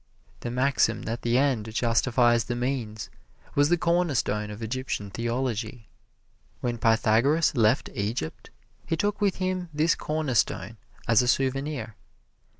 The maxim that the end justifies the means was the cornerstone of Egyptian theology. When Pythagoras left Egypt he took with him this cornerstone as a souvenir.